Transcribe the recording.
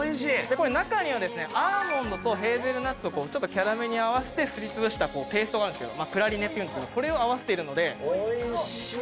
これ中にはですねアーモンドとヘーゼルナッツをちょっとキャラメルに合わせてすり潰したペーストがあるんですけどプラリネっていうんですけどそれを合わせているのでおいしい！